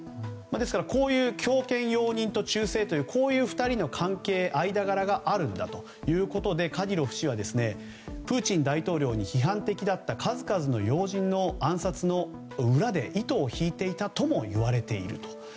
ですからこういう強権容認と忠誠というこういう２人の関係間柄があるんだということでカディロフ氏はプーチン大統領に批判的だった数々の要人の暗殺の裏で糸を引いていたともいわれていると。